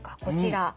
こちら。